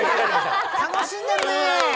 楽しんでるね。